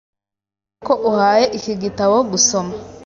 Nizere ko uhaye iki gitabo gusoma.